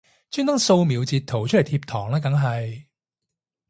專登掃瞄截圖出嚟貼堂啦梗係